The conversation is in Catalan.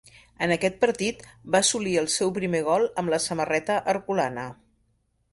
En aquest partit va assolir el seu primer gol amb la samarreta herculana.